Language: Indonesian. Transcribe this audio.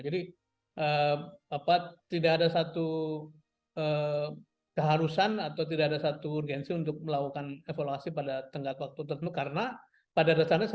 jadi tidak ada satu keharusan atau tidak ada satu urgensi untuk melakukan evaluasi pada tim